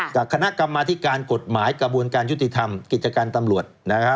กับคณะกรรมาธิการกฎหมายกระบวนการยุติธรรมกิจการตำรวจนะฮะ